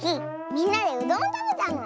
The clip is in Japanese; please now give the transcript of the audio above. みんなでうどんをたべたの！